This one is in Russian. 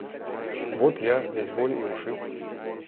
Вот – я, весь боль и ушиб.